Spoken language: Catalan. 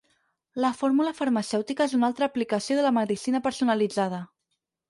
La fórmula farmacèutica és una altra aplicació de la medicina personalitzada.